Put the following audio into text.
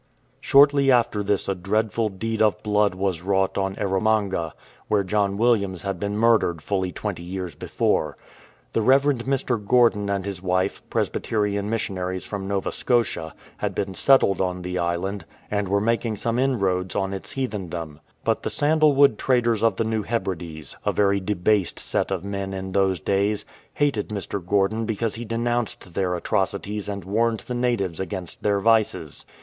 Shortly after this a dreadful deed of blood was wrought 327 A TRAGEDY ON ERROMANGA on Erromanga, where John Williams had been murdered fully twenty years before. The Rev. Mr. Gordon and his wife, Presbyterian missionaries from Nova Scotia, had been settled on the island, and were making some inroads on its heathendom. But the sandalwood traders of the New Hebrides, a very debased set of men in those days, hated Mr. Gordon because he denounced their atrocities and warned the natives against their vices.